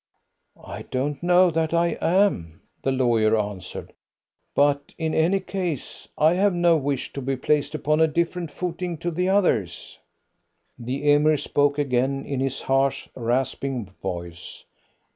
"I don't know that I am," the lawyer answered; "but in any case, I have no wish to be placed upon a different footing to the others." The Emir spoke again in his harsh rasping voice.